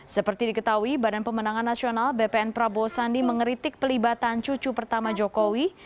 seperti diketahui badan pemenangan nasional bpn prabowo sandi mengeritik pelibatan cucu pertama jokowi